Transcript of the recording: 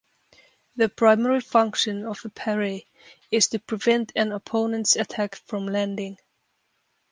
The primary function of a parry is to prevent an opponent's attack from landing.